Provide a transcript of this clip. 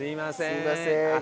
すいません。